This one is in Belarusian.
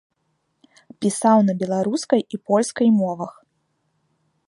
Пісаў на беларускай і польскай мовах.